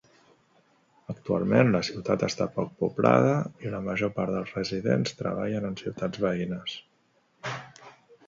Actualment, la ciutat està poc poblada i la major part dels residents treballen en ciutats veïnes.